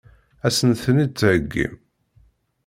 Ad sen-ten-id-theggim?